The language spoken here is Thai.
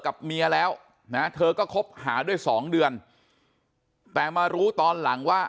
กับเมียแล้วนะเธอก็คบหาด้วยสองเดือนแต่มารู้ตอนหลังว่า